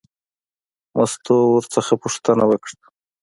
مستو ورنه پوښتنه وکړه.